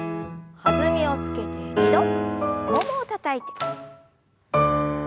弾みをつけて２度ももをたたいて。